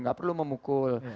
gak perlu memukul